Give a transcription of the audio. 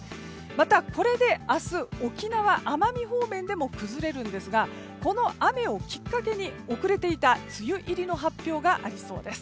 また、これで明日沖縄、奄美方面でも崩れますがこの雨をきっかけに遅れていた梅雨入りの発表がありそうです。